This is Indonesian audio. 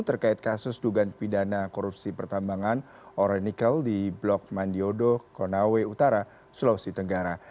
terkait kasus dugaan pidana korupsi pertambangan ora nikel di blok mandiodo konawe utara sulawesi tenggara